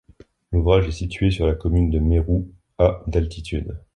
L'ouvrage est situé sur la commune de Meroux à d'altitude.